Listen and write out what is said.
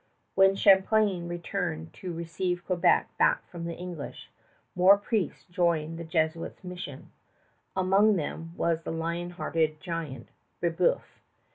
[Illustration: PIERRE LE JEUNE] When Champlain returned to receive Quebec back from the English, more priests joined the Jesuits' mission. Among them was the lion hearted giant, Brébeuf.